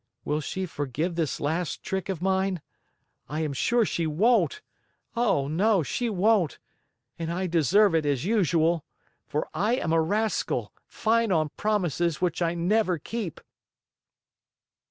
Will she forgive this last trick of mine? I am sure she won't. Oh, no, she won't. And I deserve it, as usual! For I am a rascal, fine on promises which I never keep!"